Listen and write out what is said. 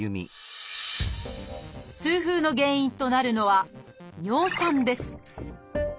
痛風の原因となるのは「尿酸」です